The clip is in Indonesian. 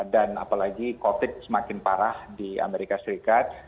apalagi covid semakin parah di amerika serikat